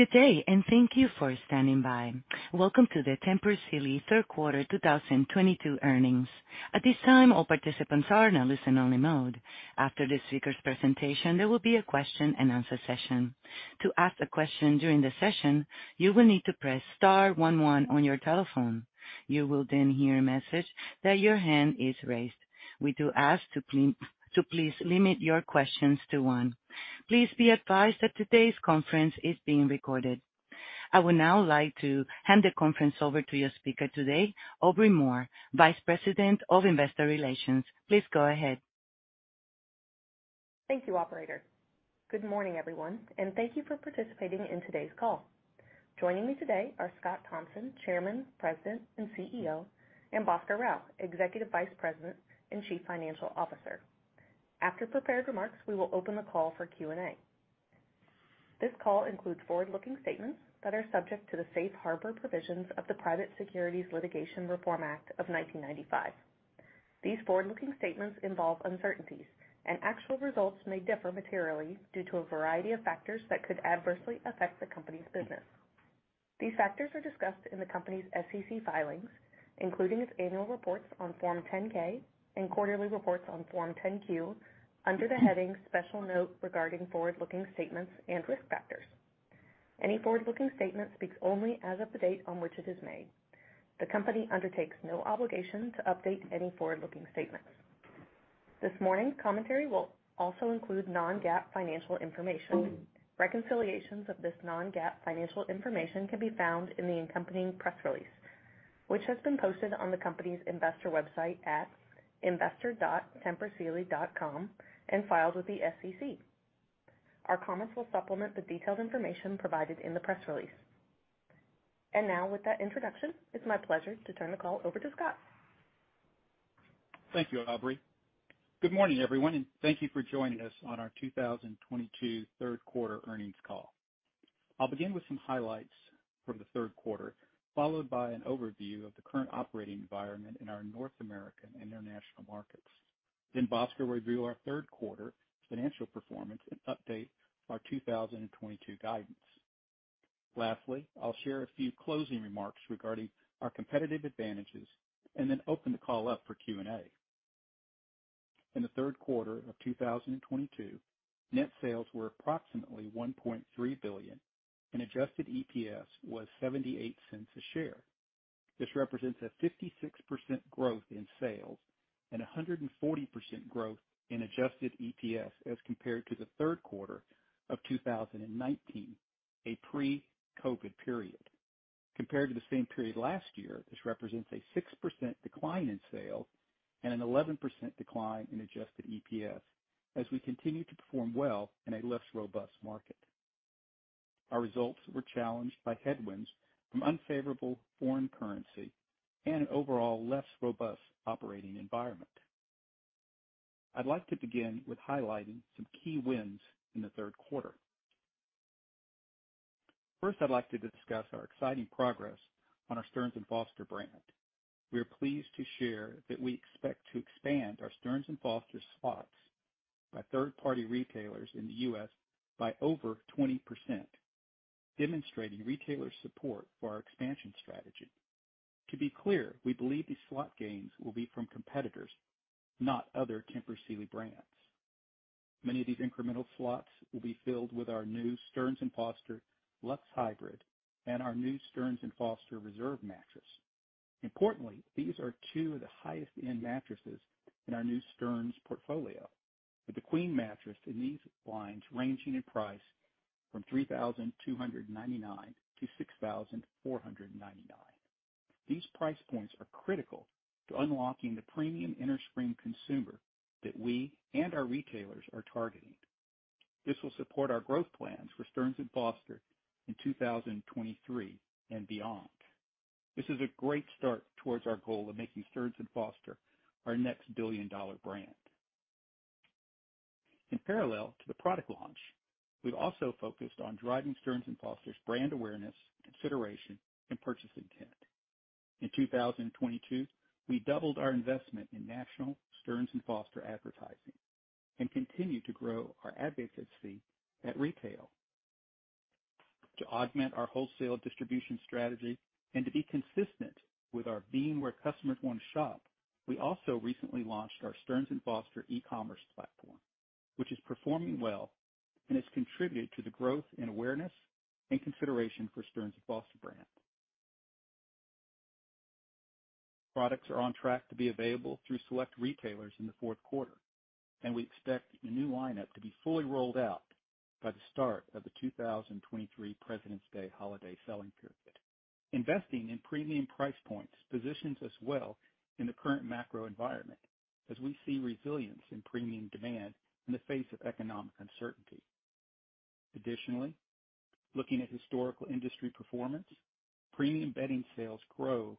Good day, and thank you for standing by. Welcome to the Tempur Sealy Third Quarter 2022 Earnings. At this time, all participants are in a listen-only mode. After the speaker's presentation, there will be a question-and-answer session. To ask a question during the session, you will need to press star one one on your telephone. You will then hear a message that your hand is raised. We do ask to please limit your questions to one. Please be advised that today's conference is being recorded. I would now like to hand the conference over to your speaker today, Aubrey Moore, Vice President of Investor Relations. Please go ahead. Thank you, operator. Good morning, everyone, and thank you for participating in today's call. Joining me today are Scott Thompson, Chairman, President, and CEO, and Bhaskar Rao, Executive Vice President and Chief Financial Officer. After prepared remarks, we will open the call for Q&A. This call includes forward-looking statements that are subject to the safe harbor provisions of the Private Securities Litigation Reform Act of 1995. These forward-looking statements involve uncertainties, and actual results may differ materially due to a variety of factors that could adversely affect the company's business. These factors are discussed in the company's SEC filings, including its annual reports on Form 10-K and quarterly reports on Form 10-Q under the heading Special Note regarding forward-looking statements and risk factors. Any forward-looking statement speaks only as of the date on which it is made. The company undertakes no obligation to update any forward-looking statements. This morning's commentary will also include non-GAAP financial information. Reconciliations of this non-GAAP financial information can be found in the accompanying press release, which has been posted on the company's investor website at investor.tempursealy.com and filed with the SEC. Our comments will supplement the detailed information provided in the press release. Now with that introduction, it's my pleasure to turn the call over to Scott. Thank you, Aubrey. Good morning, everyone, and thank you for joining us on our 2022 third quarter earnings call. I'll begin with some highlights from the third quarter, followed by an overview of the current operating environment in our North American and international markets. Then Bhaskar will review our third quarter financial performance and update our 2022 guidance. Lastly, I'll share a few closing remarks regarding our competitive advantages and then open the call up for Q&A. In the third quarter of 2022, net sales were approximately $1.3 billion and adjusted EPS was $0.78 a share. This represents a 56% growth in sales and a 140% growth in adjusted EPS as compared to the third quarter of 2019, a pre-COVID period. Compared to the same period last year, this represents a 6% decline in sales and an 11% decline in adjusted EPS as we continue to perform well in a less robust market. Our results were challenged by headwinds from unfavorable foreign currency and an overall less robust operating environment. I'd like to begin with highlighting some key wins in the third quarter. First, I'd like to discuss our exciting progress on our Stearns & Foster brand. We are pleased to share that we expect to expand our Stearns & Foster slots by third-party retailers in the U.S. by over 20%, demonstrating retailer support for our expansion strategy. To be clear, we believe these slot gains will be from competitors, not other Tempur Sealy brands. Many of these incremental slots will be filled with our new Stearns & Foster Lux Hybrid and our new Stearns & Foster Reserve mattress. Importantly, these are two of the high-end mattresses in our new Stearns portfolio, with the queen mattress in these lines ranging in price from $3,299-$6,499. These price points are critical to unlocking the premium innerspring consumer that we and our retailers are targeting. This will support our growth plans for Stearns & Foster in 2023 and beyond. This is a great start towards our goal of making Stearns & Foster our next billion-dollar brand. In parallel to the product launch, we've also focused on driving Stearns & Foster's brand awareness, consideration, and purchase intent. In 2022, we doubled our investment in national Stearns & Foster advertising and continued to grow our advocacy at retail. To augment our wholesale distribution strategy and to be consistent with our being where customers want to shop, we also recently launched our Stearns & Foster e-commerce platform, which is performing well and has contributed to the growth in awareness and consideration for Stearns & Foster brand. Products are on track to be available through select retailers in the fourth quarter, and we expect the new lineup to be fully rolled out by the start of the 2023 Presidents' Day holiday selling period. Investing in premium price points positions us well in the current macro environment as we see resilience in premium demand in the face of economic uncertainty. Additionally, looking at historical industry performance, premium bedding sales growth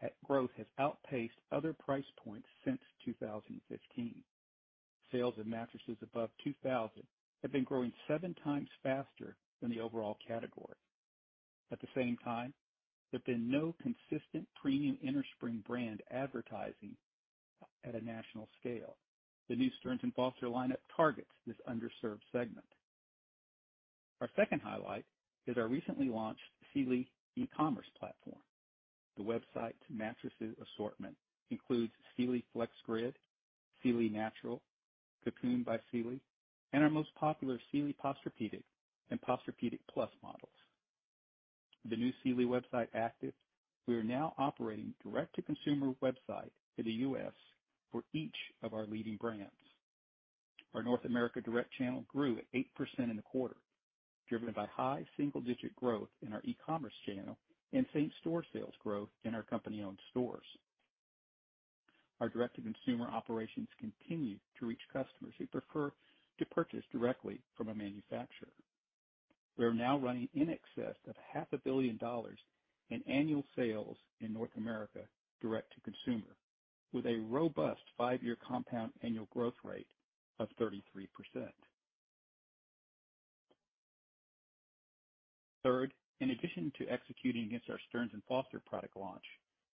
has outpaced other price points since 2015. Sales of mattresses above $2,000 have been growing seven times faster than the overall category. At the same time, there's been no consistent premium innerspring brand advertising at a national scale. The new Stearns & Foster lineup targets this underserved segment. Our second highlight is our recently launched Sealy e-commerce platform. The website's mattress assortment includes Sealy FlexGrid, Sealy Naturals, Cocoon by Sealy, and our most popular Sealy Posturepedic and Posturepedic Plus models. With the new Sealy website active, we are now operating direct-to-consumer websites in the U.S. for each of our leading brands. Our North America direct channel grew 8% in the quarter, driven by high single-digit growth in our e-commerce channel and same-store sales growth in our company-owned stores. Our direct-to-consumer operations continue to reach customers who prefer to purchase directly from a manufacturer. We are now running in excess of $500 million in annual sales in North America direct-to-consumer, with a robust five-year compound annual growth rate of 33%. Third, in addition to executing against our Stearns & Foster product launch,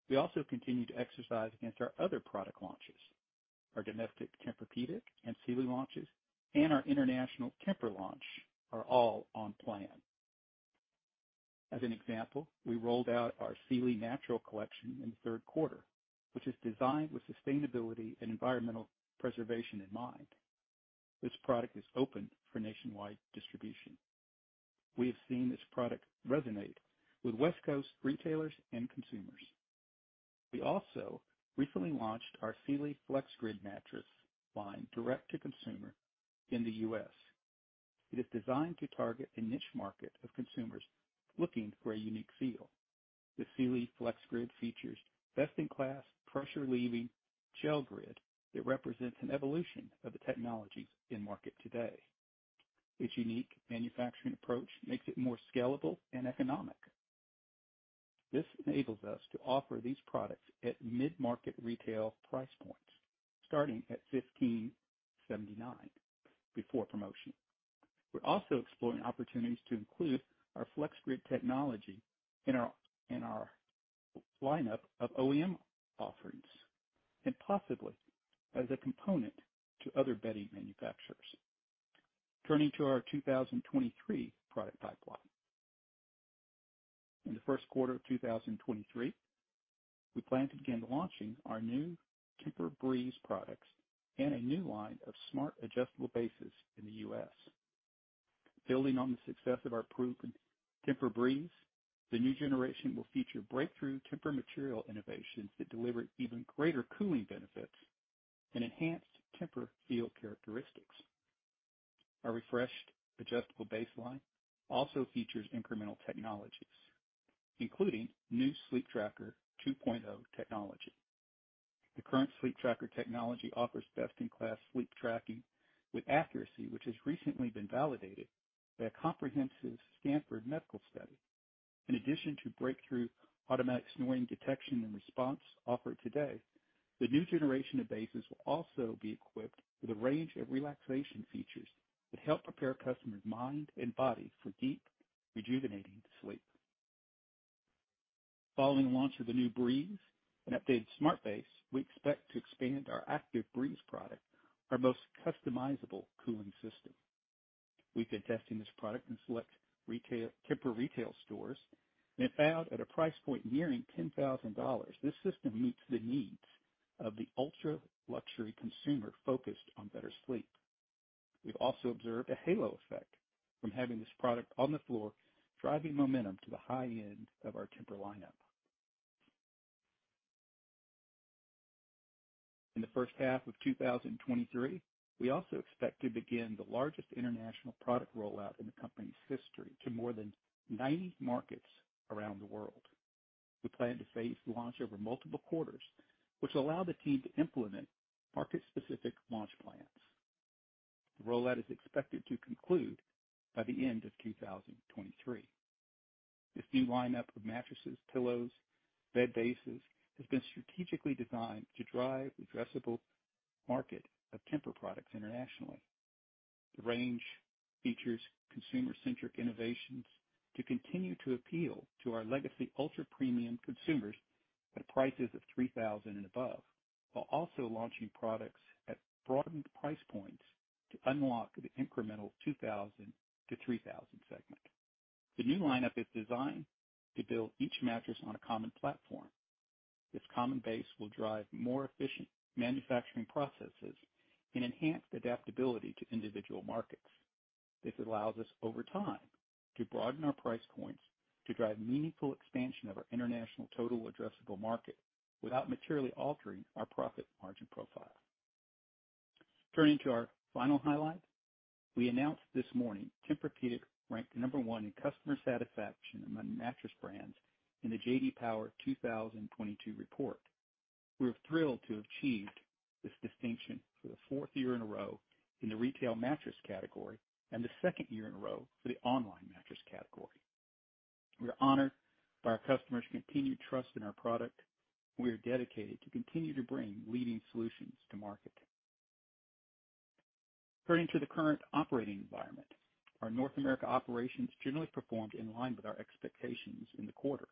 we also continue to execute against our other product launches. Our domestic Tempur-Pedic and Sealy launches and our international Tempur launch are all on plan. As an example, we rolled out our Sealy Naturals collection in the third quarter, which is designed with sustainability and environmental preservation in mind. This product is open for nationwide distribution. We have seen this product resonate with West Coast retailers and consumers. We also recently launched our Sealy FlexGrid mattress line direct to consumer in the U.S. It is designed to target a niche market of consumers looking for a unique feel. The Sealy FlexGrid features best-in-class pressure-relieving gel grid that represents an evolution of the technologies in market today. Its unique manufacturing approach makes it more scalable and economic. This enables us to offer these products at mid-market retail price points, starting at $1,579 before promotion. We're also exploring opportunities to include our FlexGrid technology in our lineup of OEM offerings and possibly as a component to other bedding manufacturers. Turning to our 2023 product pipeline. In the first quarter of 2023, we plan to begin launching our new TEMPUR-Breeze products and a new line of smart adjustable bases in the U.S. Building on the success of our proven TEMPUR-Breeze, the new generation will feature breakthrough TEMPUR material innovations that deliver even greater cooling benefits and enhanced TEMPUR feel characteristics. Our refreshed adjustable base line also features incremental technologies, including new Sleeptracker 2.0 technology. The current Sleeptracker technology offers best-in-class sleep tracking with accuracy, which has recently been validated by a comprehensive Stanford medical study. In addition to breakthrough automatic snoring detection and response offered today, the new generation of bases will also be equipped with a range of relaxation features that help prepare customers' mind and body for deep, rejuvenating sleep. Following launch of the new Breeze and updated smart base, we expect to expand our TEMPUR-ActiveBreeze product, our most customizable cooling system. We've been testing this product in select retail. Tempur retail stores and found at a price point nearing $10,000, this system meets the needs of the ultra-luxury consumer focused on better sleep. We've also observed a halo effect from having this product on the floor, driving momentum to the high end of our Tempur lineup. In the first half of 2023, we also expect to begin the largest international product rollout in the company's history to more than 90 markets around the world. We plan to phase the launch over multiple quarters, which will allow the team to implement market-specific launch plans. The rollout is expected to conclude by the end of 2023. This new lineup of mattresses, pillows, bed bases, has been strategically designed to drive addressable market of Tempur products internationally. The range features consumer-centric innovations to continue to appeal to our legacy ultra-premium consumers at prices of $3,000 and above, while also launching products at broadened price points to unlock the incremental $2,000-$3,000 segment. The new lineup is designed to build each mattress on a common platform. This common base will drive more efficient manufacturing processes and enhance adaptability to individual markets. This allows us, over time, to broaden our price points to drive meaningful expansion of our international total addressable market without materially altering our profit margin profile. Turning to our final highlight, we announced this morning Tempur-Pedic ranked number one in customer satisfaction among mattress brands in the J.D. Power 2022 report. We're thrilled to have achieved this distinction for the fourth year in a row in the retail mattress category and the second year in a row for the online mattress category. We are honored by our customers' continued trust in our product. We are dedicated to continue to bring leading solutions to market. Turning to the current operating environment, our North America operations generally performed in line with our expectations in the quarter,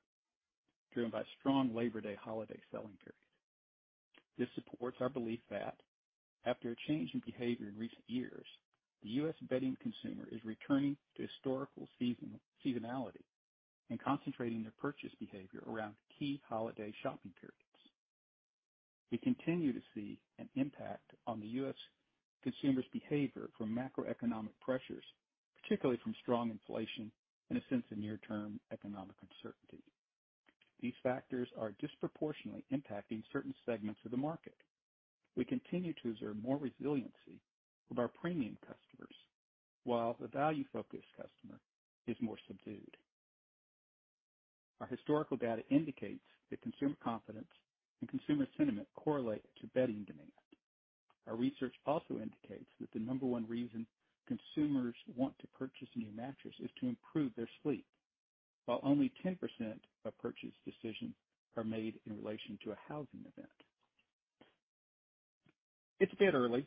driven by strong Labor Day holiday selling period. This supports our belief that after a change in behavior in recent years, the U.S. bedding consumer is returning to historical seasonality and concentrating their purchase behavior around key holiday shopping periods. We continue to see an impact on the U.S. consumers' behavior from macroeconomic pressures, particularly from strong inflation and a sense of near-term economic uncertainty. These factors are disproportionately impacting certain segments of the market. We continue to observe more resiliency with our premium customers while the value-focused customer is more subdued. Our historical data indicates that consumer confidence and consumer sentiment correlate to bedding demand. Our research also indicates that the number one reason consumers want to purchase a new mattress is to improve their sleep. While only 10% of purchase decisions are made in relation to a housing event. It's a bit early,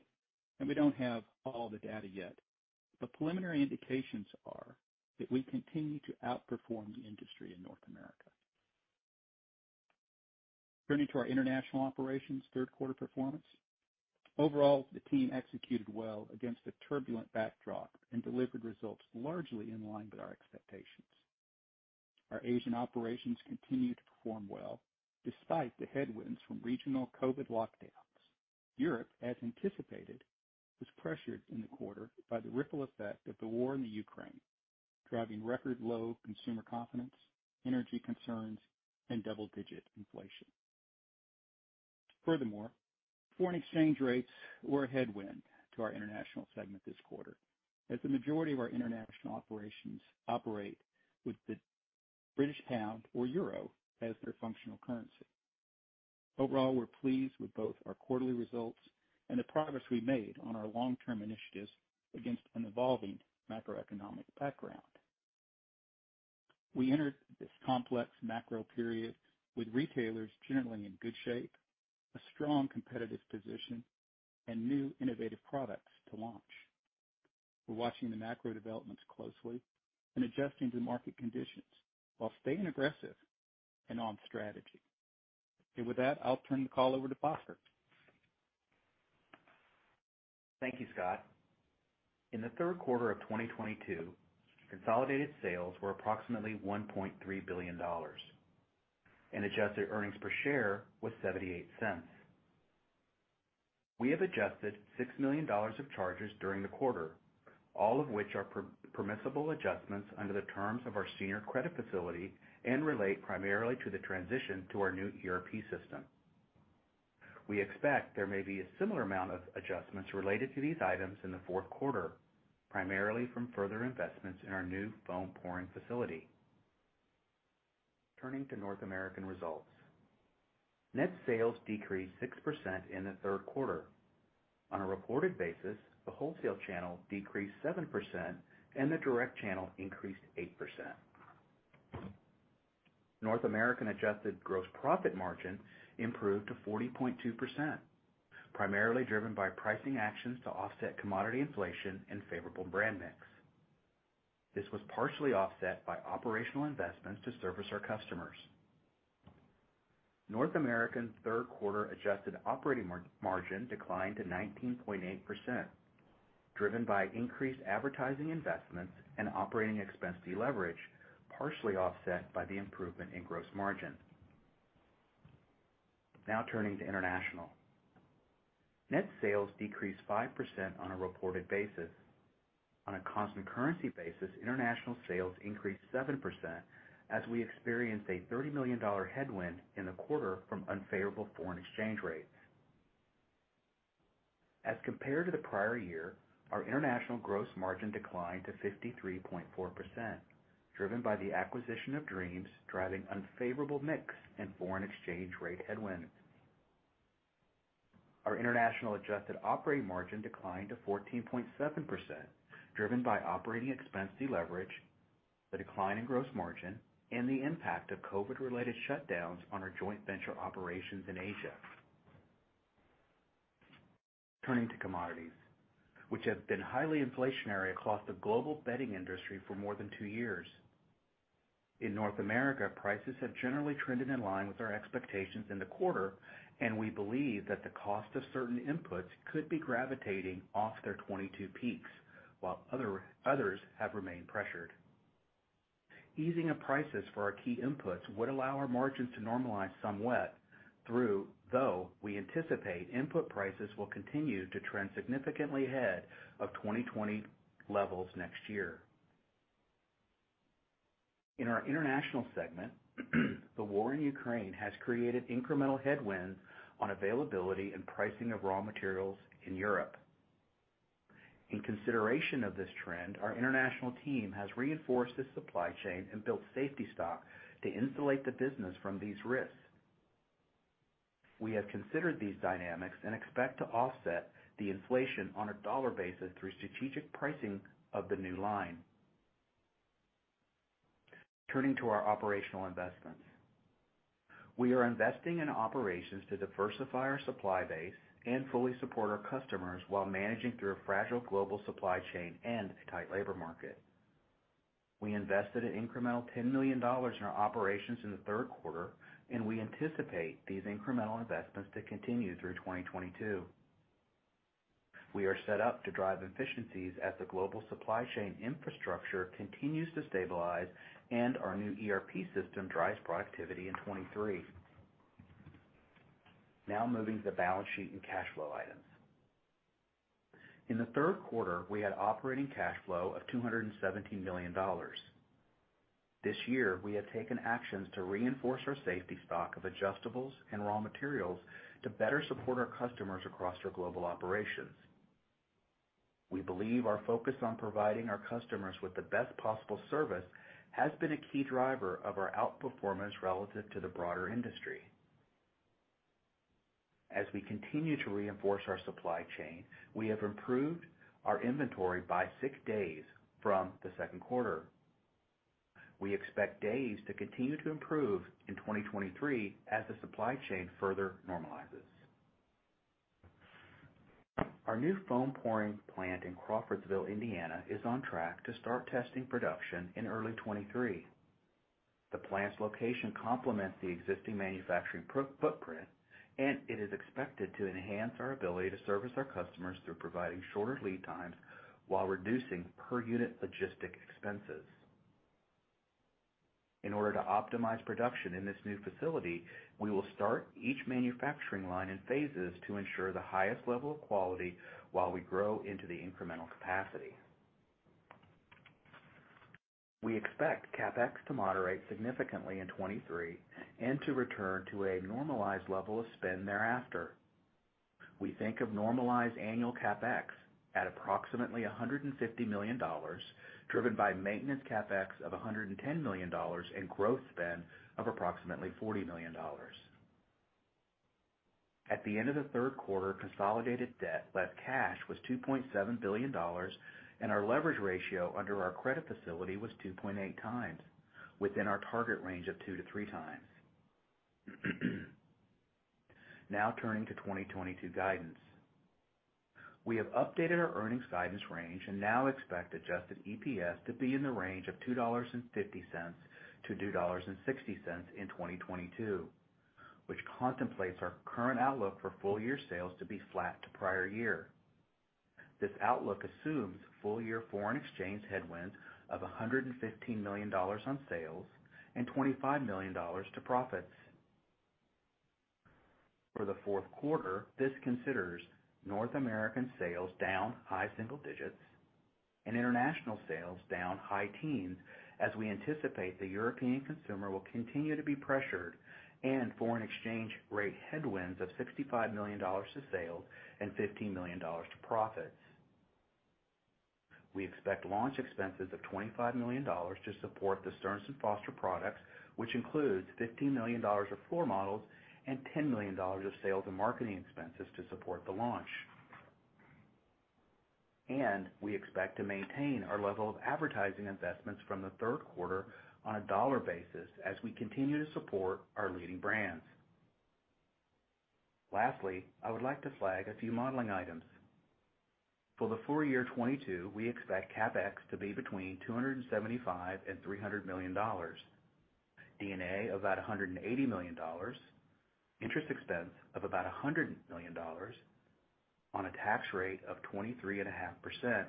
and we don't have all the data yet, but preliminary indications are that we continue to outperform the industry in North America. Turning to our international operations third quarter performance. Overall, the team executed well against a turbulent backdrop and delivered results largely in line with our expectations. Our Asian operations continued to perform well despite the headwinds from regional COVID lockdowns. Europe, as anticipated, was pressured in the quarter by the ripple effect of the war in the Ukraine, driving record low consumer confidence, energy concerns, and double-digit inflation. Furthermore, foreign exchange rates were a headwind to our international segment this quarter, as the majority of our international operations operate with the British pound or euro as their functional currency. Overall, we're pleased with both our quarterly results and the progress we made on our long-term initiatives against an evolving macroeconomic background. We entered this complex macro period with retailers generally in good shape, a strong competitive position, and new innovative products to launch. We're watching the macro developments closely and adjusting to market conditions while staying aggressive and on strategy. With that, I'll turn the call over to Bhaskar. Thank you, Scott. In the third quarter of 2022, consolidated sales were approximately $1.3 billion and adjusted earnings per share was $0.78. We have adjusted $6 million of charges during the quarter, all of which are permissible adjustments under the terms of our senior credit facility and relate primarily to the transition to our new ERP system. We expect there may be a similar amount of adjustments related to these items in the fourth quarter, primarily from further investments in our new foam pouring facility. Turning to North American results. Net sales decreased 6% in the third quarter. On a reported basis, the wholesale channel decreased 7% and the direct channel increased 8%. North American adjusted gross profit margin improved to 40.2%, primarily driven by pricing actions to offset commodity inflation and favorable brand mix. This was partially offset by operational investments to service our customers. North American third-quarter adjusted operating margin declined to 19.8%, driven by increased advertising investments and operating expense deleverage, partially offset by the improvement in gross margin. Now turning to international. Net sales decreased 5% on a reported basis. On a constant currency basis, international sales increased 7% as we experienced a $30 million headwind in the quarter from unfavorable foreign exchange rates. As compared to the prior year, our international gross margin declined to 53.4%, driven by the acquisition of Dreams, driving unfavorable mix and foreign exchange rate headwinds. Our international adjusted operating margin declined to 14.7%, driven by operating expense deleverage, the decline in gross margin, and the impact of COVID-related shutdowns on our joint venture operations in Asia. Turning to commodities, which have been highly inflationary across the global bedding industry for more than two years. In North America, prices have generally trended in line with our expectations in the quarter, and we believe that the cost of certain inputs could be gravitating off their 2022 peaks, while others have remained pressured. Easing of prices for our key inputs would allow our margins to normalize somewhat though we anticipate input prices will continue to trend significantly ahead of 2020 levels next year. In our international segment, the war in Ukraine has created incremental headwinds on availability and pricing of raw materials in Europe. In consideration of this trend, our international team has reinforced the supply chain and built safety stock to insulate the business from these risks. We have considered these dynamics and expect to offset the inflation on a dollar basis through strategic pricing of the new line. Turning to our operational investments. We are investing in operations to diversify our supply base and fully support our customers while managing through a fragile global supply chain and a tight labor market. We invested an incremental $10 million in our operations in the third quarter, and we anticipate these incremental investments to continue through 2022. We are set up to drive efficiencies as the global supply chain infrastructure continues to stabilize and our new ERP system drives productivity in 2023. Now moving to the balance sheet and cash flow items. In the third quarter, we had operating cash flow of $217 million. This year we have taken actions to reinforce our safety stock of adjustables and raw materials to better support our customers across our global operations. We believe our focus on providing our customers with the best possible service has been a key driver of our outperformance relative to the broader industry. As we continue to reinforce our supply chain, we have improved our inventory by six days from the second quarter. We expect days to continue to improve in 2023 as the supply chain further normalizes. Our new foam pouring plant in Crawfordsville, Indiana, is on track to start testing production in early 2023. The plant's location complements the existing manufacturing footprint, and it is expected to enhance our ability to service our customers through providing shorter lead times while reducing per unit logistic expenses. In order to optimize production in this new facility, we will start each manufacturing line in phases to ensure the highest level of quality while we grow into the incremental capacity. We expect CapEx to moderate significantly in 2023 and to return to a normalized level of spend thereafter. We think of normalized annual CapEx at approximately $150 million, driven by maintenance CapEx of $110 million, and growth spend of approximately $40 million. At the end of the third quarter, consolidated debt, less cash was $2.7 billion, and our leverage ratio under our credit facility was 2.8 times, within our target range of 2-3 times. Now turning to 2022 guidance. We have updated our earnings guidance range and now expect adjusted EPS to be in the range of $2.50-$2.60 in 2022, which contemplates our current outlook for full year sales to be flat to prior year. This outlook assumes full year foreign exchange headwind of $115 million on sales and $25 million to profits. For the fourth quarter, this considers North American sales down high single digits and international sales down high teens, as we anticipate the European consumer will continue to be pressured and foreign exchange rate headwinds of $65 million to sales and $15 million to profits. We expect launch expenses of $25 million to support the Stearns & Foster products, which includes $15 million of floor models and $10 million of sales and marketing expenses to support the launch. We expect to maintain our level of advertising investments from the third quarter on a dollar basis as we continue to support our leading brands. Lastly, I would like to flag a few modeling items. For the full year 2022, we expect CapEx to be between $275 million-$300 million, D&A of about $180 million, interest expense of about $100 million on a tax rate of 23.5%,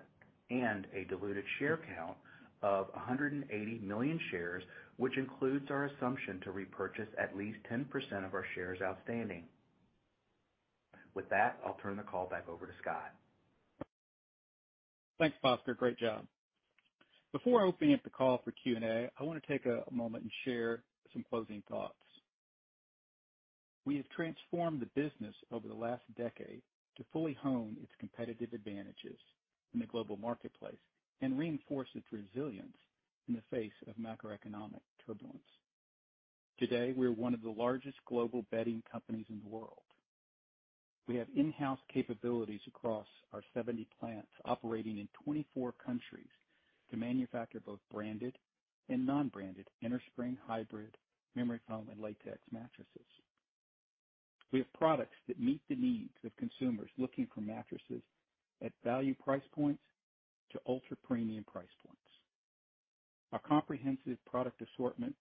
and a diluted share count of 180 million shares, which includes our assumption to repurchase at least 10% of our shares outstanding. With that, I'll turn the call back over to Scott. Thanks, Bhaskar. Great job. Before opening up the call for Q&A, I wanna take a moment and share some closing thoughts. We have transformed the business over the last decade to fully hone its competitive advantages in the global marketplace and reinforce its resilience in the face of macroeconomic turbulence. Today, we are one of the largest global bedding companies in the world. We have in-house capabilities across our 70 plants, operating in 24 countries to manufacture both branded and non-branded innerspring hybrid, memory foam, and latex mattresses. We have products that meet the needs of consumers looking for mattresses at value price points to ultra-premium price points. Our comprehensive product assortment,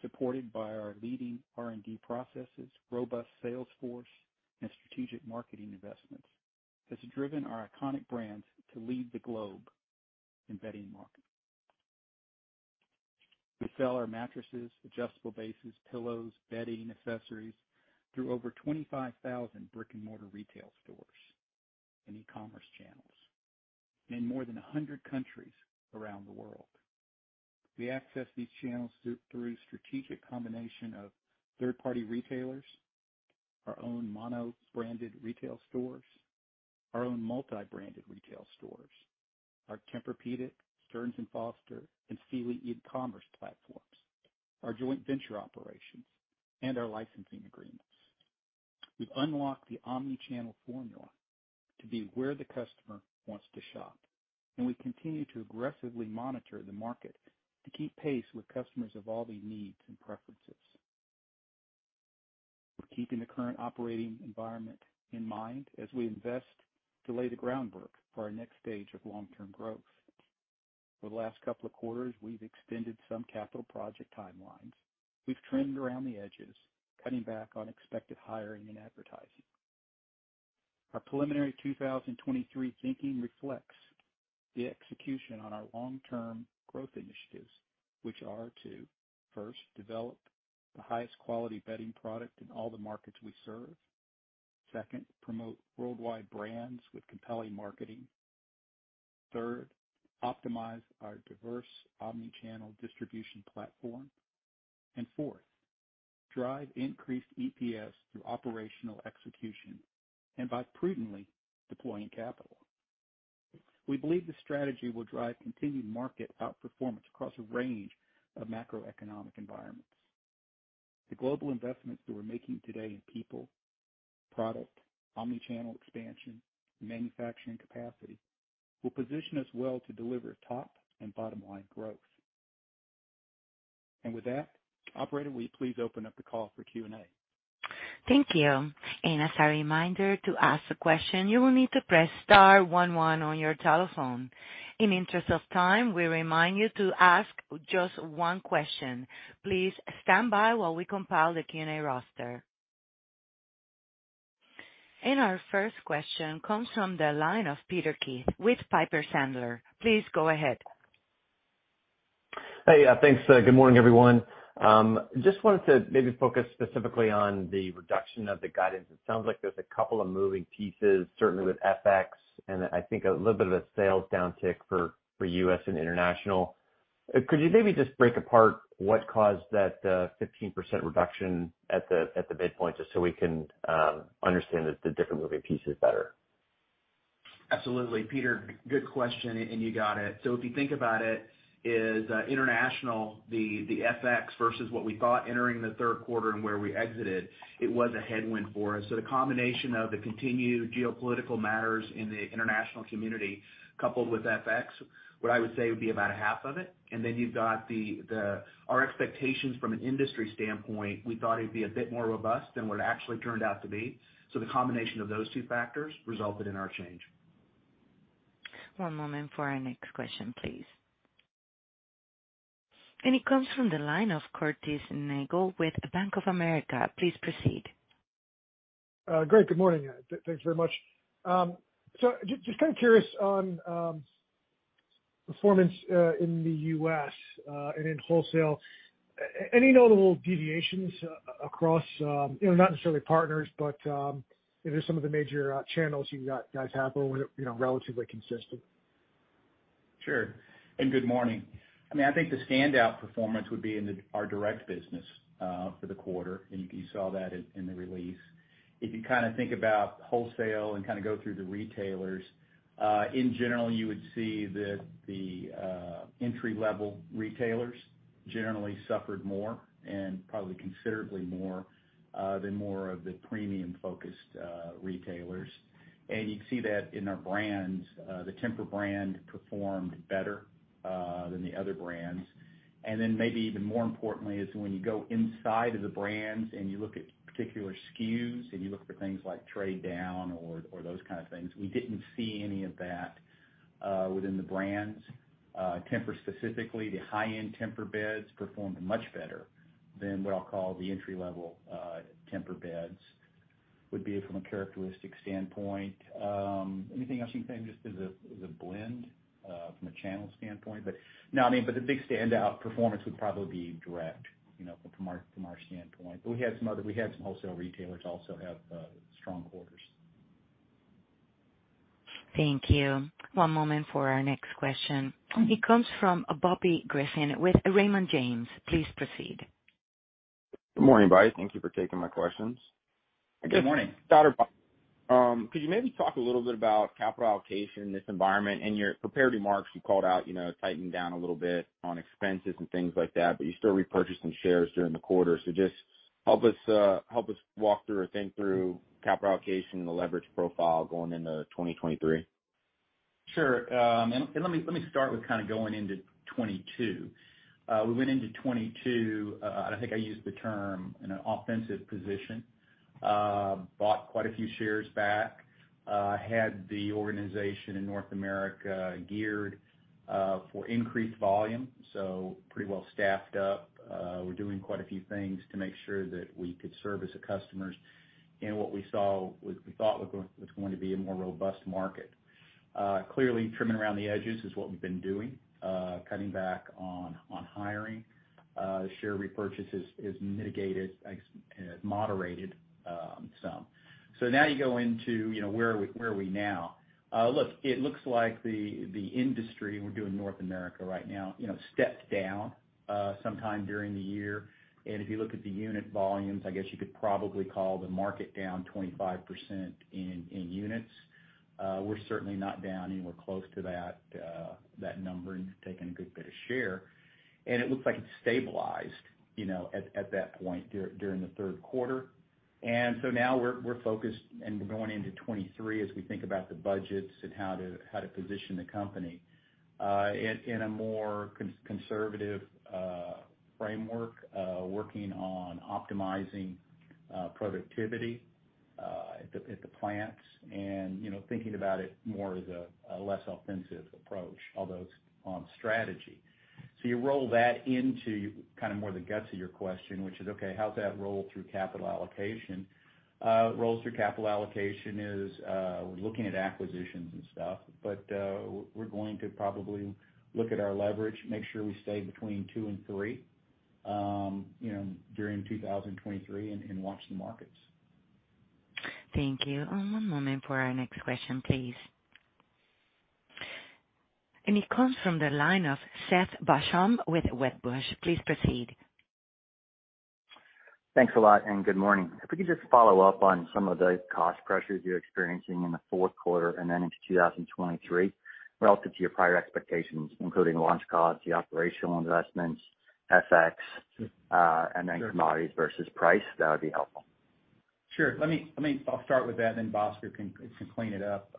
supported by our leading R&D processes, robust sales force, and strategic marketing investments, has driven our iconic brands to lead the globe in bedding market. We sell our mattresses, adjustable bases, pillows, bedding, accessories through over 25,000 brick-and-mortar retail stores and e-commerce channels in more than 100 countries around the world. We access these channels through strategic combination of third-party retailers, our own mono-branded retail stores, our own multi-branded retail stores, our Tempur-Pedic, Stearns & Foster, and Sealy e-commerce platforms, our joint venture operations, and our licensing agreements. We've unlocked the omni-channel formula to be where the customer wants to shop, and we continue to aggressively monitor the market to keep pace with customers' evolving needs and preferences. We're keeping the current operating environment in mind as we invest to lay the groundwork for our next stage of long-term growth. For the last couple of quarters, we've extended some capital project timelines. We've trimmed around the edges, cutting back on expected hiring and advertising. Our preliminary 2023 thinking reflects the execution on our long-term growth initiatives, which are to, first, develop the highest quality bedding product in all the markets we serve. Second, promote worldwide brands with compelling marketing. Third, optimize our diverse omni-channel distribution platform. And fourth, drive increased EPS through operational execution and by prudently deploying capital. We believe this strategy will drive continued market outperformance across a range of macroeconomic environments. The global investments that we're making today in people, product, omni-channel expansion, and manufacturing capacity will position us well to deliver top and bottom-line growth. With that, operator, will you please open up the call for Q&A? Thank you. As a reminder, to ask a question, you will need to press star one one on your telephone. In the interest of time, we remind you to ask just one question. Please stand by while we compile the Q&A roster. Our first question comes from the line of Peter Keith with Piper Sandler. Please go ahead. Hey. Thanks. Good morning, everyone. Just wanted to maybe focus specifically on the reduction of the guidance. It sounds like there's a couple of moving pieces, certainly with FX and I think a little bit of a sales downtick for U.S. and international. Could you maybe just break apart what caused that, 15% reduction at the midpoint, just so we can understand the different moving pieces better? Absolutely, Peter. Good question, and you got it. If you think about it, international, the FX versus what we thought entering the third quarter and where we exited, it was a headwind for us. The combination of the continued geopolitical matters in the international community coupled with FX, what I would say would be about half of it. Then you've got our expectations from an industry standpoint, we thought it'd be a bit more robust than what it actually turned out to be. The combination of those two factors resulted in our change. One moment for our next question, please. It comes from the line of Curtis Nagle with Bank of America. Please proceed. Great. Good morning. Thanks very much. So just kind of curious on performance in the U.S. and in wholesale. Any notable deviations across, you know, not necessarily partners, but, you know, some of the major channels you guys have or were, you know, relatively consistent? Sure. Good morning. I mean, I think the standout performance would be in our direct business for the quarter. You saw that in the release. If you kinda think about wholesale and kinda go through the retailers, in general, you would see that the entry-level retailers generally suffered more and probably considerably more than more of the premium-focused retailers. You'd see that in our brands, the Tempur brand performed better than the other brands. Then maybe even more importantly is when you go inside of the brands and you look at particular SKUs and you look for things like trade down or those kind of things, we didn't see any of that within the brands. Tempur specifically, the high-end Tempur beds performed much better than what I'll call the entry-level Tempur beds would be from a characteristic standpoint. Anything else you can say just as a blend from a channel standpoint? No, I mean, but the big standout performance would probably be direct, you know, from our standpoint. We had some wholesale retailers also have strong quarters. Thank you. One moment for our next question. It comes from Bobby Griffin with Raymond James. Please proceed. Good morning. Thank you for taking my questions. Good morning. Just to start off, could you maybe talk a little bit about capital allocation in this environment? In your prepared remarks, you called out, you know, tightened down a little bit on expenses and things like that, but you're still repurchasing shares during the quarter. Just help us walk through or think through capital allocation and the leverage profile going into 2023. Sure. Let me start with kind of going into 2022. We went into 2022, and I think I used the term in an offensive position, bought quite a few shares back, had the organization in North America geared for increased volume, so pretty well staffed up. We're doing quite a few things to make sure that we could service the customers in what we saw we thought was going to be a more robust market. Clearly trimming around the edges is what we've been doing, cutting back on hiring. Share repurchases is mitigated, I guess, moderated some. Now you go into, you know, where are we now? Look, it looks like the industry, we're doing North America right now, you know, stepped down sometime during the year. If you look at the unit volumes, I guess you could probably call the market down 25% in units. We're certainly not down anywhere close to that number and taking a good bit of share, and it looks like it's stabilized, you know, at that point during the third quarter. Now we're focused and we're going into 2023 as we think about the budgets and how to position the company in a more conservative framework, working on optimizing productivity at the plants, you know, thinking about it more as a less offensive approach, although it's on strategy. You roll that into kind of more the guts of your question, which is, okay, how's that roll through capital allocation? It rolls through capital allocation. We're looking at acquisitions and stuff, but, we're going to probably look at our leverage, make sure we stay between two and three, you know, during 2023 and watch the markets. Thank you. One moment for our next question, please. It comes from the line of Seth Basham with Wedbush. Please proceed. Thanks a lot, and good morning. If we could just follow up on some of the cost pressures you're experiencing in the fourth quarter and then into 2023 relative to your prior expectations, including launch costs, the operational investments, FX. Sure. Commodities versus price, that would be helpful. Sure. Let me. I'll start with that, and then Bhaskar can clean it up.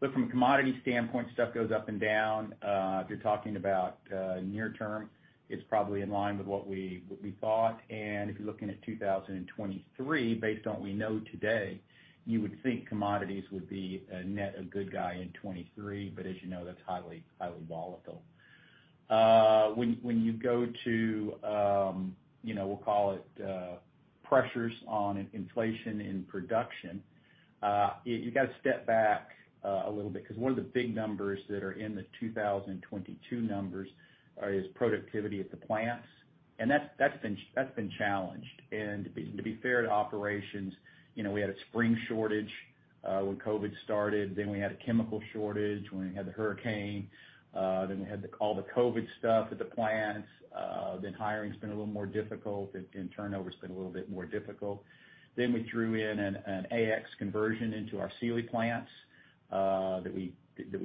But from a commodity standpoint, stuff goes up and down. If you're talking about near term, it's probably in line with what we thought. If you're looking at 2023, based on what we know today, you would think commodities would be a net of good guy in 2023, but as you know, that's highly volatile. When you go to, you know, we'll call it pressures on inflation in production, you gotta step back a little bit, 'cause one of the big numbers that are in the 2022 numbers is productivity at the plants, and that's been challenged. To be fair to operations, you know, we had a spring shortage when COVID started, then we had a chemical shortage when we had the hurricane, then we had all the COVID stuff at the plants, then hiring's been a little more difficult and turnover's been a little bit more difficult. We threw in an AX conversion into our Sealy plants that we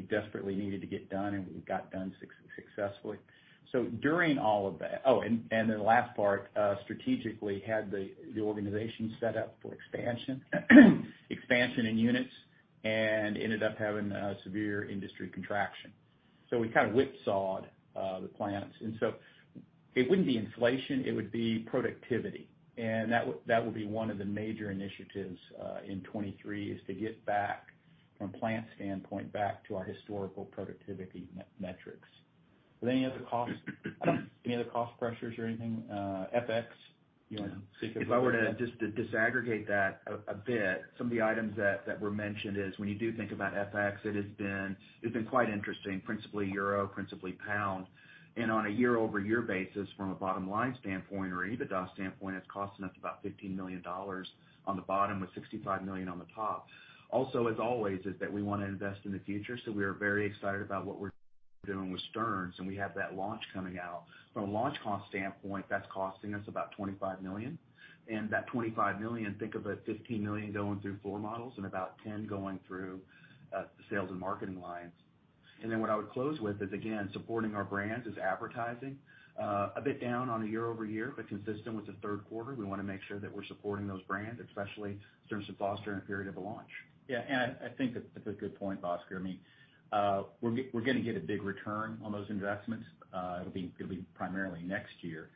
desperately needed to get done, and we got done successfully. During all of that, oh, and the last part, strategically had the organization set up for expansion in units, and ended up having a severe industry contraction. We kind of whipsawed the plants. It wouldn't be inflation, it would be productivity. That would be one of the major initiatives in 2023 is to get back, from a plant standpoint, back to our historical productivity metrics. Were there any other costs, any other cost pressures or anything, FX, you wanna speak to that? If I were to just disaggregate that a bit, some of the items that were mentioned is when you do think about FX, it's been quite interesting, principally euro, principally pound. On a year-over-year basis, from a bottom line standpoint or EBITDA standpoint, it's costing us about $15 million on the bottom with $65 million on the top. Also, as always, is that we wanna invest in the future, so we are very excited about what we're doing with Stearns & Foster, and we have that launch coming out. From a launch cost standpoint, that's costing us about $25 million. That $25 million, think of it, $15 million going through floor models and about $10 million going through the sales and marketing lines. Then what I would close with is, again, supporting our brands is advertising. A bit down on a year-over-year, but consistent with the third quarter. We wanna make sure that we're supporting those brands, especially Stearns & Foster in a period of a launch. Yeah, I think that's a good point, Bhaskar. I mean, we're gonna get a big return on those investments. It'll be primarily next year.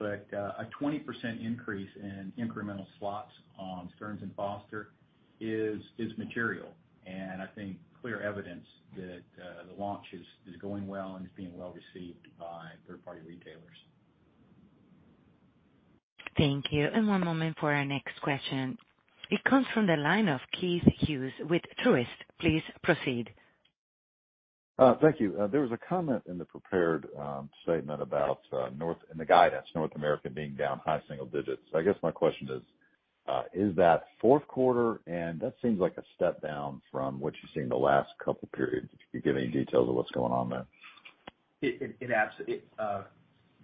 A 20% increase in incremental slots on Stearns & Foster is material, and I think clear evidence that the launch is going well and is being well received by third-party retailers. Thank you. One moment for our next question. It comes from the line of Keith Hughes with Truist. Please proceed. Thank you. There was a comment in the prepared statement about North American in the guidance being down high single digits. I guess my question is that fourth quarter? That seems like a step down from what you've seen the last couple periods. Could you give any details of what's going on there?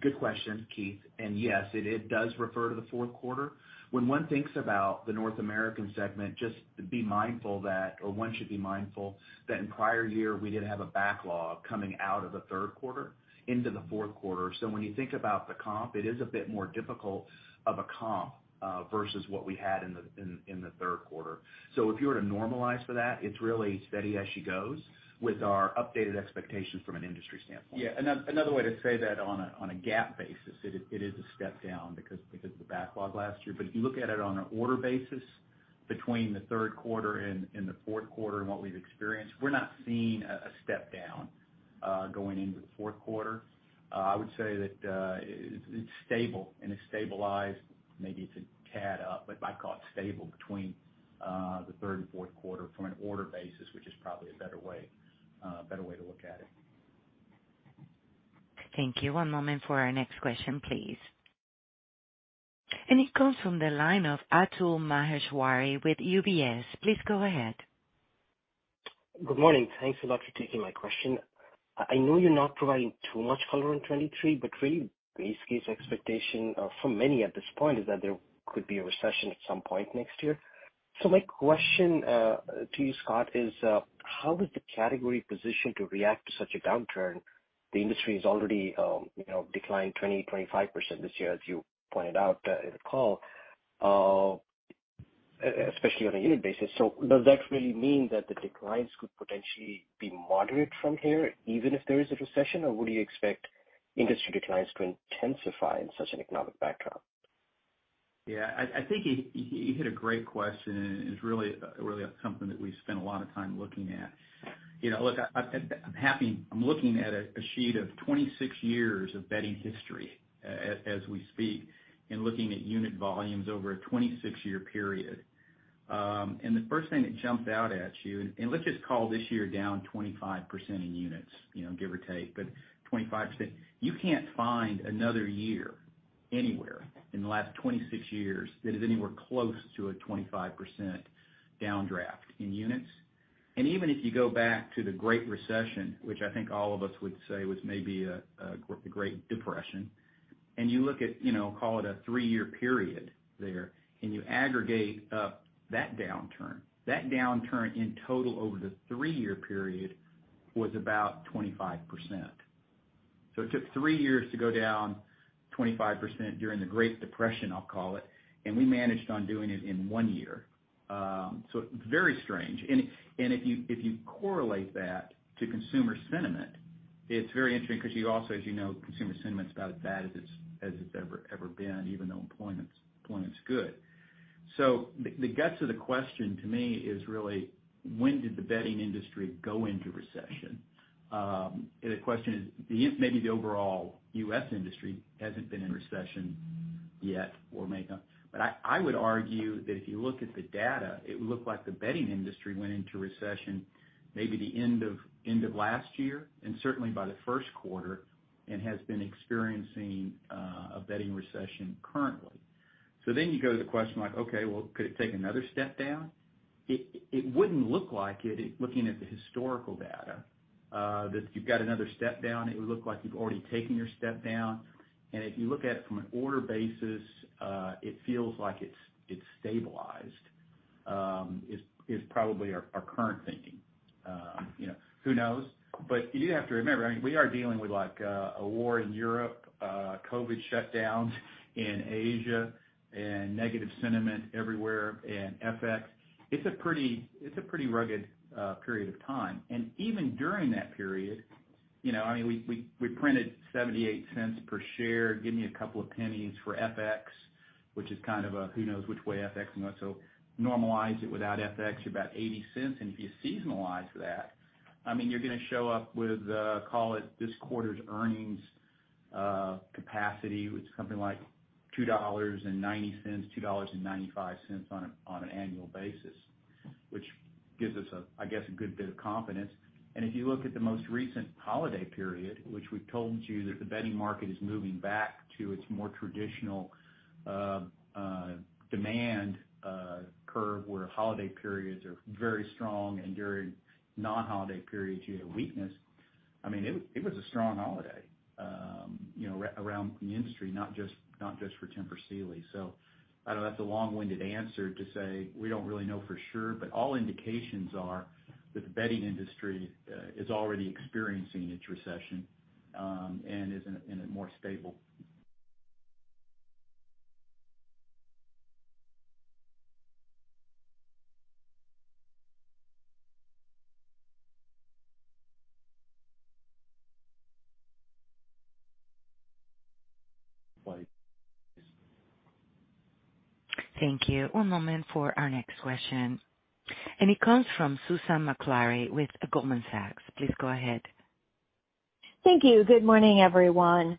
Good question, Keith. Yes, it does refer to the fourth quarter. When one thinks about the North American segment, just be mindful that, or one should be mindful that in prior year, we did have a backlog coming out of the third quarter into the fourth quarter. When you think about the comp, it is a bit more difficult of a comp versus what we had in the third quarter. If you were to normalize for that, it's really steady as she goes with our updated expectations from an industry standpoint. Yeah. Another way to say that on a GAAP basis, it is a step down because of the backlog last year. If you look at it on an order basis between the third quarter and the fourth quarter and what we've experienced, we're not seeing a step down going into the fourth quarter. I would say that it's stable and it's stabilized. Maybe it's a tad up, but I'd call it stable between the third and fourth quarter from an order basis, which is probably a better way to look at it. Thank you. One moment for our next question, please. It comes from the line of Atul Maheswari with UBS. Please go ahead. Good morning. Thanks a lot for taking my question. I know you're not providing too much color on 2023, but really base case expectation for many at this point is that there could be a recession at some point next year. My question to you, Scott, is how is the category positioned to react to such a downturn? The industry has already, you know, declined 20%-25% this year, as you pointed out in the call, especially on a unit basis. Does that really mean that the declines could potentially be moderate from here, even if there is a recession, or would you expect industry declines to intensify in such an economic backdrop? Yeah, I think you hit a great question, and it's really something that we've spent a lot of time looking at. You know, look, I'm happy. I'm looking at a sheet of 26 years of bedding history as we speak and looking at unit volumes over a 26-year period. The first thing that jumped out at you, and let's just call this year down 25% in units, you know, give or take, but 25%. You can't find another year anywhere in the last 26 years that is anywhere close to a 25% downdraft in units. Even if you go back to the Great Recession, which I think all of us would say was maybe a great depression, and you look at, you know, call it a three-year period there, and you aggregate up that downturn in total over the three-year period was about 25%. It took three years to go down 25% during the Great Depression, I'll call it, and we managed on doing it in one year. It's very strange. If you correlate that to consumer sentiment, it's very interesting because you also, as you know, consumer sentiment is about as bad as it's ever been, even though employment's good. The guts of the question to me is really when did the bedding industry go into recession? The question, maybe the overall U.S. industry hasn't been in recession yet or may come. I would argue that if you look at the data, it would look like the bedding industry went into recession maybe the end of last year, and certainly by the first quarter, and has been experiencing a bedding recession currently. You go to the question like, okay, well, could it take another step down? It wouldn't look like it, looking at the historical data that you've got another step down. It would look like you've already taken your step down. If you look at it from an order basis, it feels like it's stabilized, is probably our current thinking. You know, who knows? You do have to remember, I mean, we are dealing with like, a war in Europe, COVID shutdowns in Asia and negative sentiment everywhere in FX. It's a pretty rugged period of time. Even during that period, you know, I mean, we printed $0.78 per share. Give me a couple of pennies for FX, which is kind of a who knows which way FX goes. Normalize it without FX, you're about $0.80. If you seasonalize that, I mean, you're gonna show up with, call it this quarter's earnings capacity with something like $2.90-$2.95 on an annual basis, which gives us a good bit of confidence. If you look at the most recent holiday period, which we've told you that the bedding market is moving back to its more traditional demand curve, where holiday periods are very strong and during non-holiday periods, you had a weakness. I mean, it was a strong holiday, you know, around the industry, not just for Tempur Sealy. I know that's a long-winded answer to say we don't really know for sure, but all indications are that the bedding industry is already experiencing its recession and is in a more stable. Thank you. One moment for our next question, and it comes from Susan Maklari with Goldman Sachs. Please go ahead. Thank you. Good morning, everyone.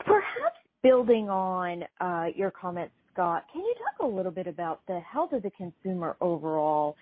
Perhaps building on your comment, Scott, can you talk a little bit about the health of the consumer overall?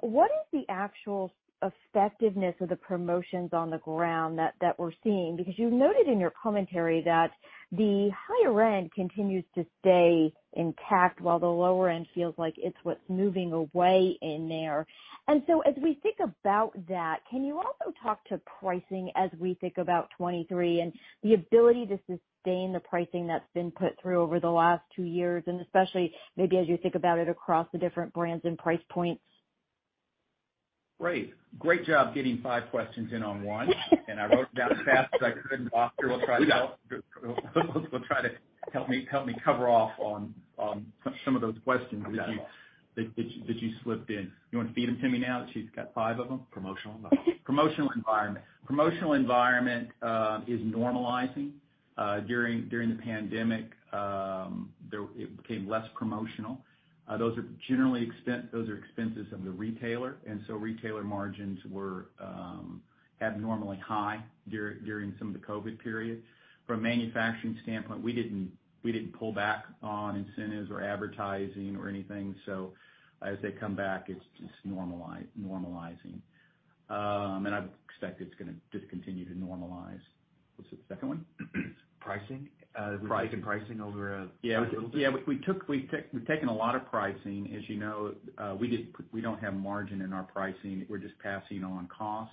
What is the actual effectiveness of the promotions on the ground that we're seeing? Because you noted in your commentary that the higher end continues to stay intact while the lower end feels like it's what's moving away in there. As we think about that, can you also talk to pricing as we think about 2023 and the ability to sustain the pricing that's been put through over the last two years, and especially maybe as you think about it across the different brands and price points? Great. Great job getting five questions in on one. I wrote it down as fast as I could. Bhaskar Rao will try to- You got it. Will, try to help me cover off on some of those questions. You got it all. That you slipped in. You wanna feed them to me now that she's got five of them? Promotional environment. Promotional environment is normalizing. During the pandemic, it became less promotional. Those are generally expenses of the retailer, and so retailer margins were abnormally high during some of the COVID period. From a manufacturing standpoint, we didn't pull back on incentives or advertising or anything. As they come back, it's just normalizing. I would expect it's gonna just continue to normalize. What's the second one? Pricing. We've taken pricing over quite a little bit. Yeah. We've taken a lot of pricing. As you know, we don't have margin in our pricing. We're just passing on cost.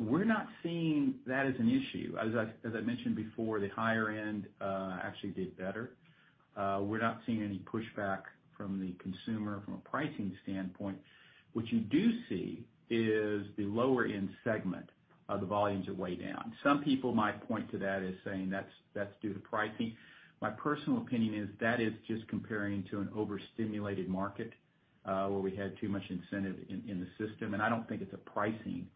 We're not seeing that as an issue. As I mentioned before, the higher end actually did better. We're not seeing any pushback from the consumer from a pricing standpoint. What you do see is the lower end segment of the volumes are way down. Some people might point to that as saying that's due to pricing. My personal opinion is that is just comparing to an overstimulated market, where we had too much incentive in the system. I don't think it's a pricing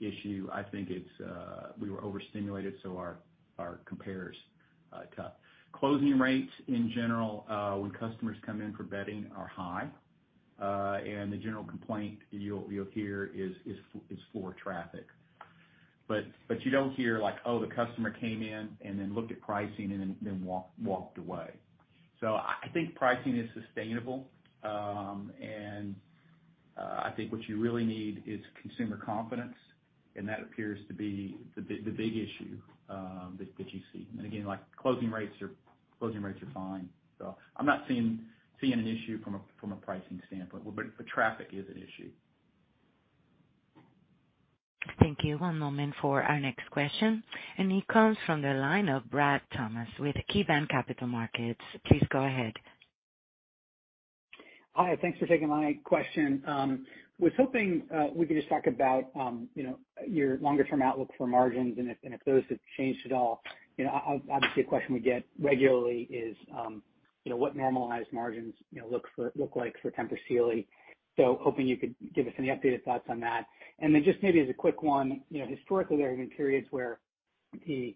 issue. I think it's we were overstimulated, so our compares tough. Closing rates in general, when customers come in for bedding are high. The general complaint you'll hear is floor traffic. But you don't hear like, "Oh, the customer came in and then looked at pricing and then walked away." So I think pricing is sustainable. I think what you really need is consumer confidence, and that appears to be the big issue that you see. Again, like, closing rates are fine. I'm not seeing an issue from a pricing standpoint. Traffic is an issue. Thank you. One moment for our next question. It comes from the line of Brad Thomas with KeyBanc Capital Markets. Please go ahead. Hi, thanks for taking my question. Was hoping we could just talk about you know, your longer term outlook for margins and if those have changed at all. You know, obviously, a question we get regularly is you know, what normalized margins you know, look like for Tempur Sealy. Hoping you could give us any updated thoughts on that. Just maybe as a quick one, you know, historically, there have been periods where the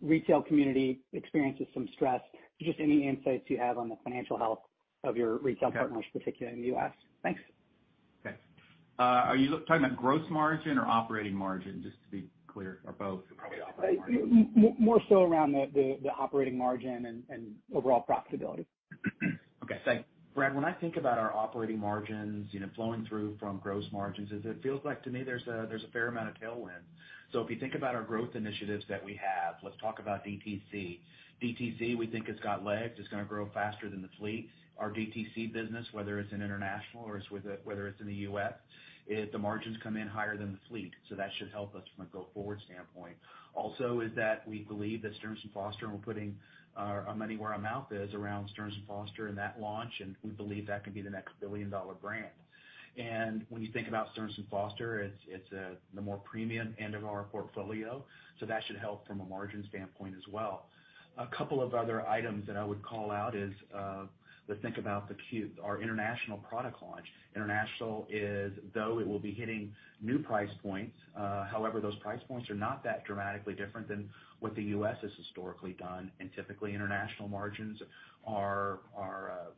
retail community experiences some stress. Just any insights you have on the financial health of your retail partners, particularly in the U.S. Thanks. Okay. Are you talking about gross margin or operating margin, just to be clear, or both? Probably operating margin. More so around the operating margin and overall profitability. Okay, thanks. Brad, when I think about our operating margins, you know, flowing through from gross margins, it feels like to me there's a fair amount of tailwind. If you think about our growth initiatives that we have, let's talk about DTC. DTC, we think has got legs, it's gonna grow faster than the fleet. Our DTC business, whether it's in international or whether it's in the U.S., the margins come in higher than the fleet, so that should help us from a go forward standpoint. Also, that we believe that Stearns & Foster, and we're putting our money where our mouth is around Stearns & Foster and that launch, and we believe that could be the next billion-dollar brand. When you think about Stearns & Foster, it's the more premium end of our portfolio, so that should help from a margin standpoint as well. A couple of other items that I would call out is to think about the Q1, our international product launch. International is, though it will be hitting new price points, however, those price points are not that dramatically different than what the U.S. has historically done, and typically, international margins are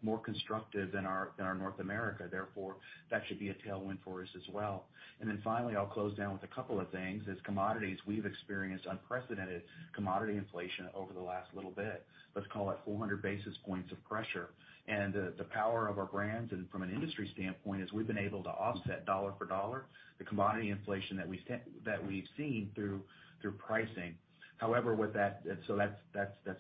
more constructive than our North America, therefore, that should be a tailwind for us as well. Then finally, I'll close down with a couple of things, is commodities. We've experienced unprecedented commodity inflation over the last little bit. Let's call it 400 basis points of pressure. The power of our brands and from an industry standpoint is we've been able to offset dollar for dollar the commodity inflation that we've seen through pricing. However, with that's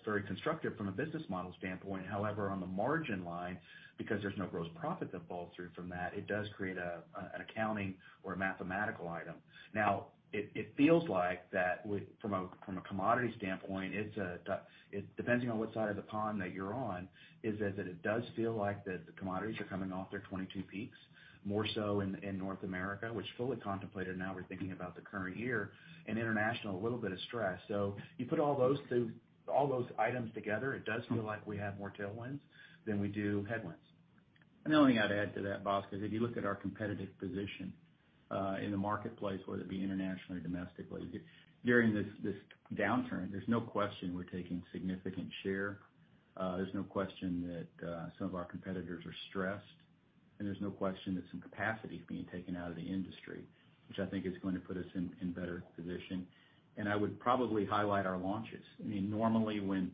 very constructive from a business model standpoint. However, on the margin line, because there's no gross profit that falls through from that, it does create an accounting or a mathematical item. Now, it feels like that from a commodity standpoint, it's it, depending on what side of the pond that you're on, is that it does feel like that the commodities are coming off their 2022 peaks, more so in North America, which fully contemplated now we're thinking about the current year, and international, a little bit of stress. You put all those through, all those items together, it does feel like we have more tailwinds than we do headwinds. The only thing I'd add to that, Boss, is if you look at our competitive position in the marketplace, whether it be internationally or domestically, during this downturn, there's no question we're taking significant share. There's no question that some of our competitors are stressed. There's no question that some capacity is being taken out of the industry, which I think is going to put us in better position. I would probably highlight our launches. I mean, normally when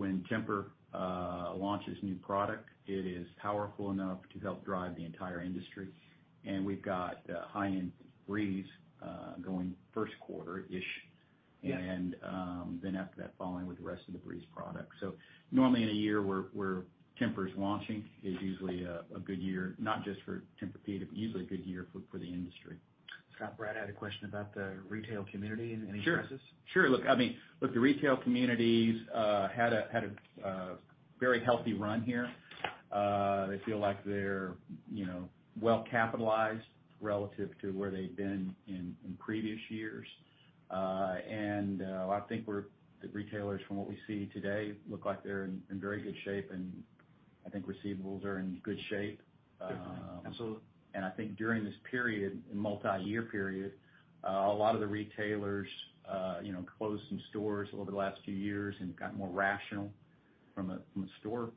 Tempur launches new product, it is powerful enough to help drive the entire industry. We've got high-end Breeze going first quarter-ish. Then after that, following with the rest of the Breeze product. Normally in a year where Tempur's launching is usually a good year, not just for Tempur-Pedic, but usually a good year for the industry. Scott, Brad had a question about the retail community and any stresses. Sure. Look, I mean, the retail community has had a very healthy run here. They feel like they're well-capitalized relative to where they've been in previous years. I think the retailers from what we see today look like they're in very good shape, and I think receivables are in good shape. Definitely. I think during this multi-year period, a lot of the retailers you know closed some stores over the last few years and got more rational from a store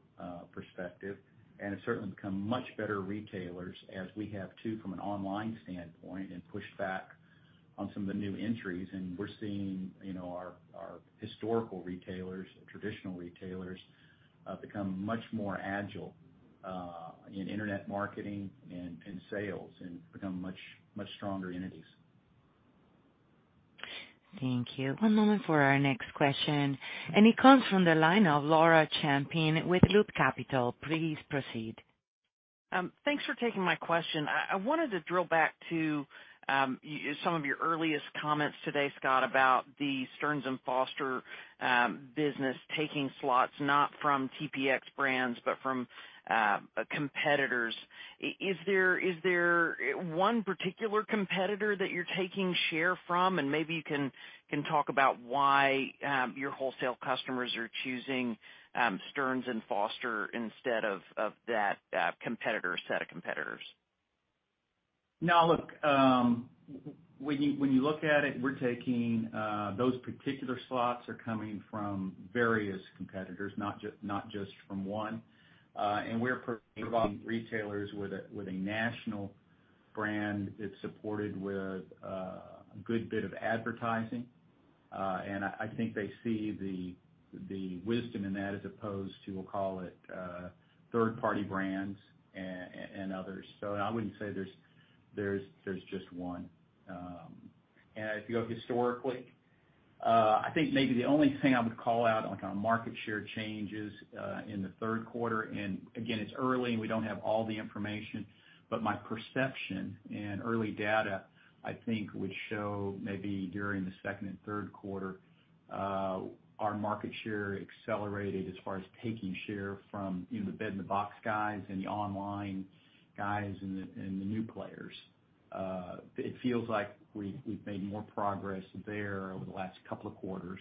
perspective. It's certainly become much better retailers as we have too from an online standpoint and pushed back on some of the new entries. We're seeing, you know, our historical retailers and traditional retailers become much more agile in internet marketing and sales and become much stronger entities. Thank you. One moment for our next question, and it comes from the line of Laura Champine with Loop Capital Markets. Please proceed. Thanks for taking my question. I wanted to drill back to some of your earliest comments today, Scott, about the Stearns & Foster business taking slots not from TPX brands but from competitors. Is there one particular competitor that you're taking share from? Maybe you can talk about why your wholesale customers are choosing Stearns & Foster instead of that competitor, set of competitors. Now look, when you look at it, we're taking those particular slots are coming from various competitors, not just from one. We're providing retailers with a national brand that's supported with a good bit of advertising. I think they see the wisdom in that as opposed to, we'll call it, third-party brands and others. I wouldn't say there's just one. If you go historically, I think maybe the only thing I would call out, like on market share changes, in the third quarter, and again, it's early and we don't have all the information, but my perception in early data, I think would show maybe during the second and third quarter, our market share accelerated as far as taking share from, you know, the bed-in-a-box guys and the online guys and the new players. It feels like we've made more progress there over the last couple of quarters,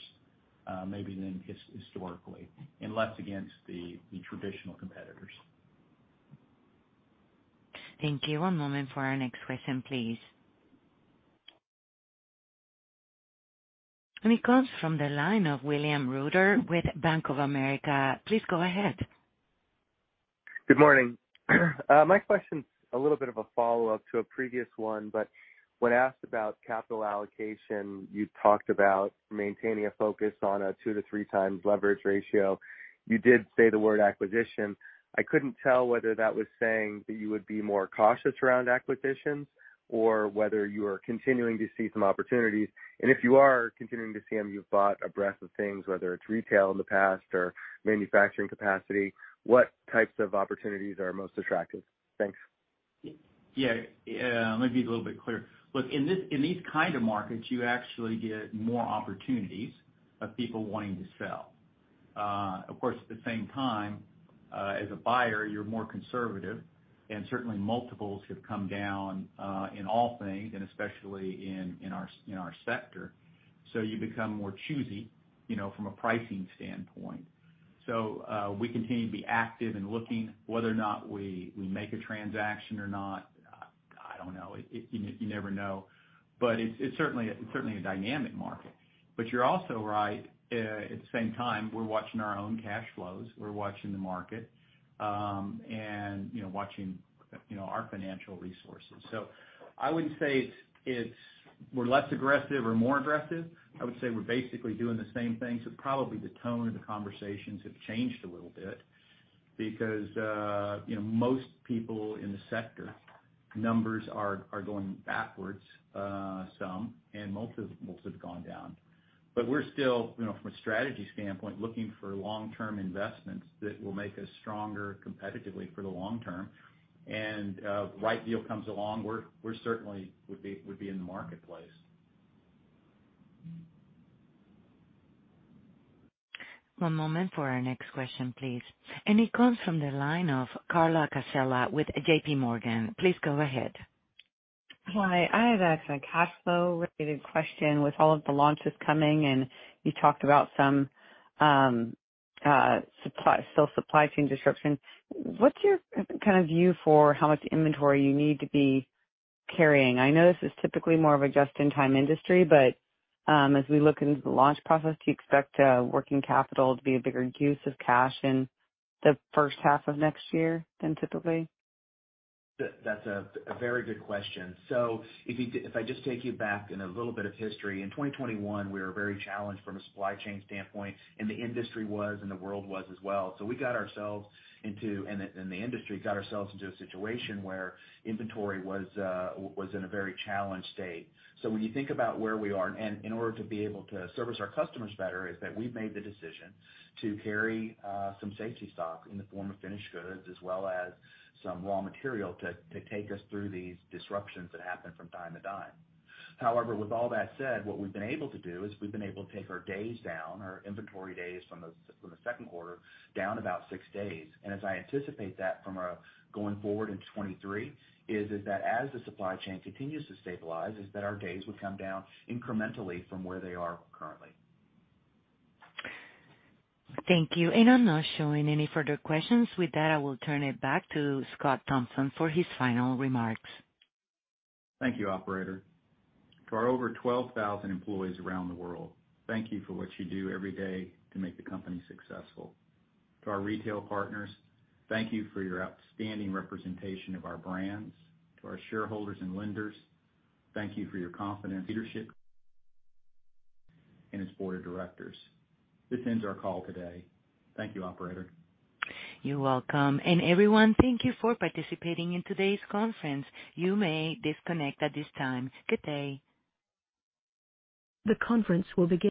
maybe than historically, and less against the traditional competitors. Thank you. One moment for our next question, please. It comes from the line of William Reuter with Bank of America. Please go ahead. Good morning. My question's a little bit of a follow-up to a previous one, but when asked about capital allocation, you talked about maintaining a focus on a 2-3 times leverage ratio. You did say the word acquisition. I couldn't tell whether that was saying that you would be more cautious around acquisitions or whether you are continuing to see some opportunities. If you are continuing to see them, you've bought a breadth of things, whether it's retail in the past or manufacturing capacity, what types of opportunities are most attractive? Thanks. Yeah. Yeah. Let me be a little bit clearer. Look, in these kind of markets, you actually get more opportunities of people wanting to sell. Of course, at the same time, as a buyer, you're more conservative and certainly multiples have come down in all things, and especially in our sector. So you become more choosy, you know, from a pricing standpoint. So we continue to be active in looking. Whether or not we make a transaction or not, I don't know. You never know. But it's certainly a dynamic market. But you're also right. At the same time, we're watching our own cash flows. We're watching the market, and you know, watching our financial resources. So I wouldn't say it's we're less aggressive or more aggressive. I would say we're basically doing the same thing. Probably the tone of the conversations have changed a little bit because, you know, most people in the sector, numbers are going backwards, some, and multiples have gone down. We're still, you know, from a strategy standpoint, looking for long-term investments that will make us stronger competitively for the long term. Right deal comes along, we're certainly would be in the marketplace. One moment for our next question, please. It comes from the line of Carla Casella with JPMorgan. Please go ahead. Hi. I have a cash flow related question. With all of the launches coming, and you talked about some supply, still supply chain disruption, what's your kind of view for how much inventory you need to be carrying? I know this is typically more of a just-in-time industry, but as we look into the launch process, do you expect working capital to be a bigger use of cash in the first half of next year than typically? That's a very good question. If I just take you back in a little bit of history, in 2021, we were very challenged from a supply chain standpoint, and the industry was and the world was as well. We got ourselves into and the industry got ourselves into a situation where inventory was in a very challenged state. When you think about where we are, and in order to be able to service our customers better, is that we've made the decision to carry some safety stock in the form of finished goods as well as some raw material to take us through these disruptions that happen from time to time. However, with all that said, what we've been able to do is we've been able to take our days down, our inventory days from the second quarter down about six days. As I anticipate that going forward in 2023, is that as the supply chain continues to stabilize, our days would come down incrementally from where they are currently. Thank you. I'm not showing any further questions. With that, I will turn it back to Scott Thompson for his final remarks. Thank you, operator. To our over 12,000 employees around the world, thank you for what you do every day to make the company successful. To our retail partners, thank you for your outstanding representation of our brands. To our shareholders and lenders, thank you for your confidence in leadership and its board of directors. This ends our call today. Thank you, operator. You're welcome. Everyone, thank you for participating in today's conference. You may disconnect at this time. Good day. The conference will begin